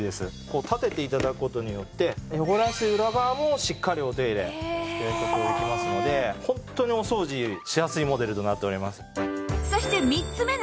こう立てて頂く事によって汚れやすい裏側もしっかりお手入れする事ができますのでホントにお掃除しやすいモデルとなっております。